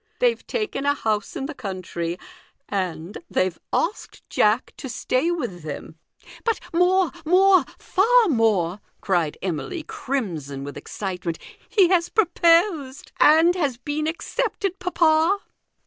They've taken a house in the country, and they've asked Jack to stay with them." THE GOLDEN RULE. 285 "But more, more, far more!" cried Emily, crimson with excitement, " he has proposed and has been accepted, papa."